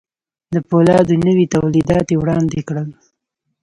د پولادو نوي توليدات يې وړاندې کړل.